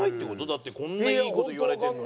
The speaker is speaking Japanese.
だってこんないい事言われてるのに。